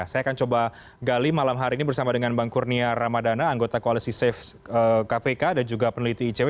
saya akan coba gali malam hari ini bersama dengan bang kurnia ramadana anggota koalisi safe kpk dan juga peneliti icw